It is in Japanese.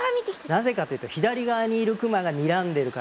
なぜかというと左側にいるクマがにらんでるからなんです。